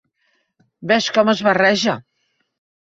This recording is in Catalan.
Ves com es barreja!